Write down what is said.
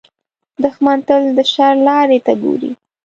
دښمن تل د شر لارې ته ګوري